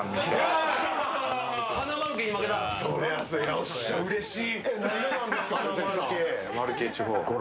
よっしゃ、うれしい。